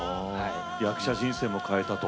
役者人生も変えたと。